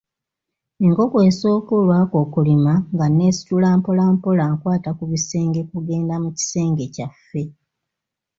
Enkoko esooka olwakookolima nga neesitula mpolampola nkwata ku bisenge kugenda mu kisenge kyaffe.